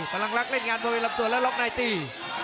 พลังลักษณ์เล่นงานบริหรับตัวแล้วล๊อคในตี